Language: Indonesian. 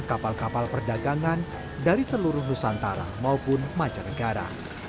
kapal kapal perdagangan dari seluruh nusantara maupun mancanegara